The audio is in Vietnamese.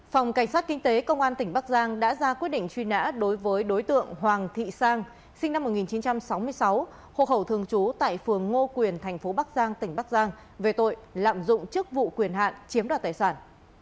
phòng cảnh sát kinh tế công an tỉnh bắc giang đã ra quyết định truy nã đối với đối tượng hoàng thị sang sinh năm một nghìn chín trăm sáu mươi sáu hộ khẩu thường trú tại phường ngô quyền thành phố bắc giang tỉnh bắc giang về tội lạm dụng chức vụ quyền hạn chiếm đoạt tài sản